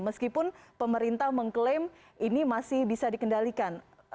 meskipun pemerintah mengklaim ini masih bisa dikendalikan